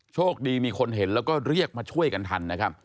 โชคดีมีคนเห็นแล้วก็เรียกมาช่วยกันทันนะครับ